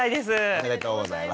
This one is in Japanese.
おめでとうございます。